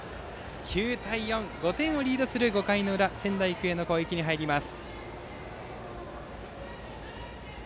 ９対４、５点をリードする５回の裏の仙台育英の攻撃に入ります。